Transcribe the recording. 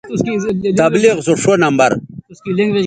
تبلیغ سو ݜو نمبر